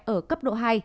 ở cấp độ hai